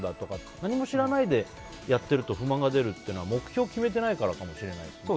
何も知らないでやると不満が出るというのは、目標を決めてないからかもしれない。